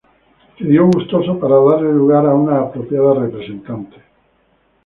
Cedió gustoso para darle lugar a una apropiada representante.